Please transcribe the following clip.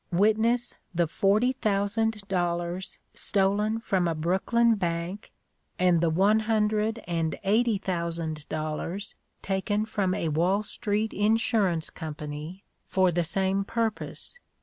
Witness the forty thousand dollars stolen from a Brooklyn bank; and the one hundred and eighty thousand dollars taken from a Wall Street Insurance Company for the same purpose!